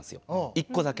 １個だけ。